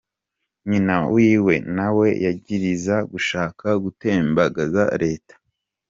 Nyina wiwe na we yagiriza gushaka gutembagaza reta.